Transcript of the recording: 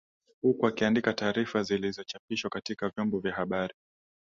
huku akiandika taarifa zilizochapishwa katika vyombo vya habari